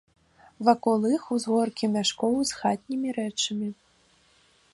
Вакол іх узгоркі мяшкоў з хатнімі рэчамі.